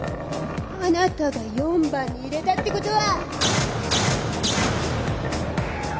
あなたが４番に入れたってことは。